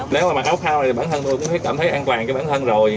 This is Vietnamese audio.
nếu mà mặc áo phao thì bản thân tôi cũng thấy an toàn với bản thân rồi